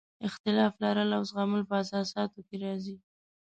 اختلاف لرل او زغمل په اساساتو کې راځي.